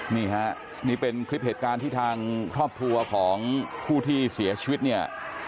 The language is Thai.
นี่ฮะนี่เป็นคลิปเหตุการณ์ที่ทางครอบครัวของผู้ที่เสียชีวิตเนี่ย